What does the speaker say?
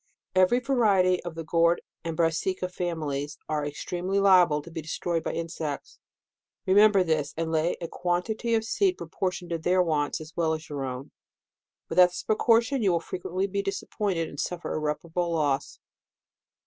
Every variety of the gourd and brassica families are extremely liable to be destroyed by insects. Remember this, and lay in a quantity of seed, proportioned to their wants, as well as your own. Without this precau tion, you will frequently be disappointed, and suffer irreparable loss.